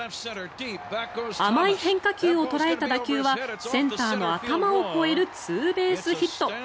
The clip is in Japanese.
甘い変化球を捉えた打球はセンターの頭を越えるツーベースヒット。